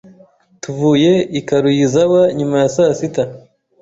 Tuvuye i Karuizawa nyuma ya saa sita.